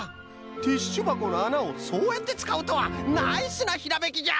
ティッシュばこのあなをそうやってつかうとはナイスなひらめきじゃ！